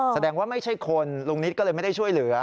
แสดงว่าไม่ใช่คนลุงนิดก็เลยไม่ได้ช่วยเหลือ